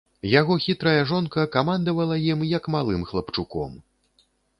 Яго хітрая жонка камандавала ім, як малым хлапчуком.